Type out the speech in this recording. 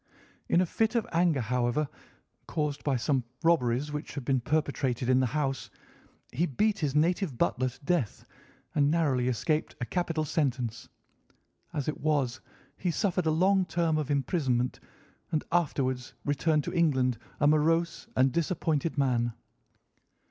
In a fit of anger, however, caused by some robberies which had been perpetrated in the house, he beat his native butler to death and narrowly escaped a capital sentence. As it was, he suffered a long term of imprisonment and afterwards returned to England a morose and disappointed man.